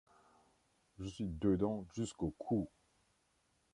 Je suis dedans jusqu’au cou.